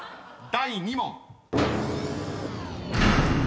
第２問］